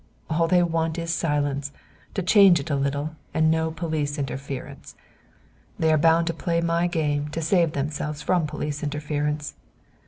All they want is silence, to change it a little, and no police interference. They are bound to play my game to save themselves from police interference."